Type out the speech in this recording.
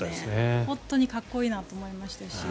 本当にかっこいいなと思いましたし